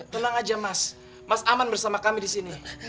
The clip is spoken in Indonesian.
tenang aja mas mas aman bersama kami disini